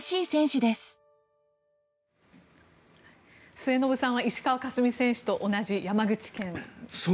末延さんは石川佳純選手と同じ山口県。